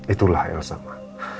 itulah elsa ma